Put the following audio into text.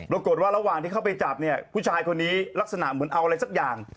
ระหว่างที่เข้าไปจับเนี่ยผู้ชายคนนี้ลักษณะเหมือนเอาอะไรสักอย่าง